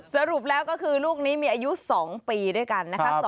สรุปแล้วก็คือลูกนี้มีอายุ๒ปีด้วยกันนะคะ